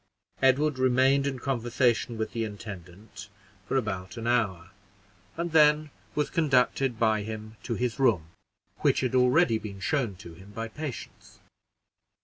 Edward remained in conversation with the intendant for about an hour, and then was conducted by him to his room, which had already been shown to him by Patience.